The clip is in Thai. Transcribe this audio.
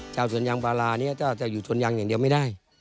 ชาวสวนยางพารานี้จะอยู่ชนยางอย่างเดียวไม่ได้